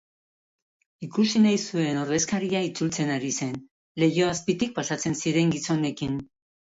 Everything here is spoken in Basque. Ikusi nahi zuen ordezkaria itzultzen ari zen, leiho azpitik pasatzen ziren gizonekin.